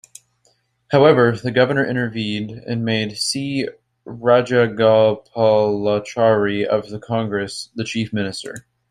However, the governor intervened and made C. Rajagopalachari of the Congress the Chief Minister.